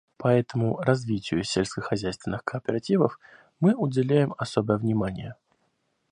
Поэтому развитию сельскохозяйственных кооперативов мы уделяем особое внимание.